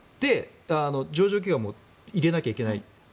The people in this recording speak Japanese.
上場企業も入れなきゃいけない。